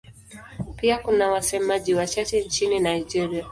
Pia kuna wasemaji wachache nchini Nigeria.